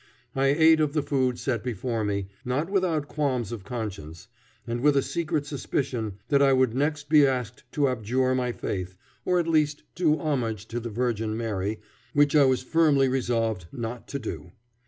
I ate of the food set before me, not without qualms of conscience, and with a secret suspicion that I would next be asked to abjure my faith, or at least do homage to the Virgin Mary, which I was firmly resolved not to do.